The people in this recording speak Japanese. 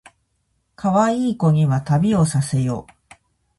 かわいい子には旅をさせよ